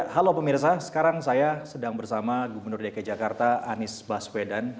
halo pemirsa sekarang saya sedang bersama gubernur dki jakarta anies baswedan